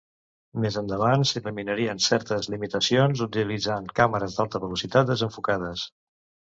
Més endavant s'eliminarien certes limitacions utilitzant càmeres d'alta velocitat desenfocades.